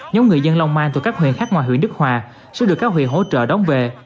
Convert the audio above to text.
nhóm người dân long an từ các huyện khác ngoài huyện đức hòa sẽ được các huyện hỗ trợ đóng về